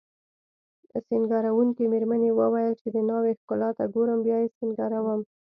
سینګاروونکې میرمنې وویل چې د ناوې ښکلا ته ګورم بیا یې سینګاروم